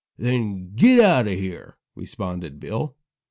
"Then get out of here!" responded Bill.